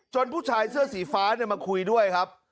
ผู้ชายเสื้อสีฟ้ามาคุยด้วยครับ